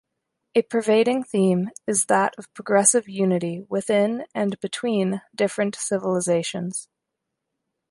A pervading theme is that of progressive unity within and between different civilizations.